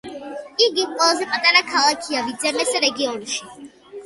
იგი ყველაზე პატარა ქალაქია ვიძემეს რეგიონში.